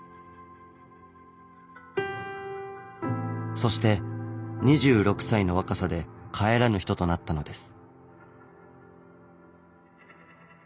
そして２６歳の若さで帰らぬ人となったのです。